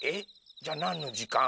じゃあなんのじかん？